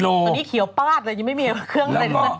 ตอนนี้เคี่ยวป้าดเลยยังมีเครื่องอะไรนึกหน่อย